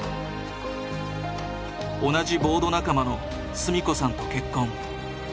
同じボード仲間の純子さんと結婚。